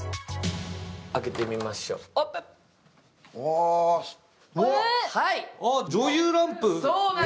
開けてみましょう、オープン女優ランプ！